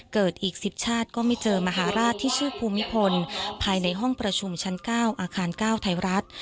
เกิดอีก๑๐ชาติก็ไม่เจอมหาราชที่ชื่อภูมิพลภายในห้องประชุมชั้น๙อาคาร๙ไทยรัฐ